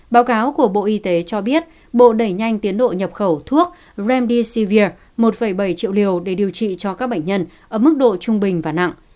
báo cáo của bộ y tế cho biết bộ đẩy nhanh tiến độ nhập khẩu thuốc remdi sivir một bảy triệu liều để điều trị cho các bệnh nhân ở mức độ trung bình và nặng